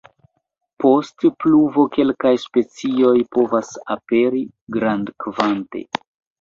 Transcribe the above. Post pluvo kelkaj specioj povas aperi grandkvante.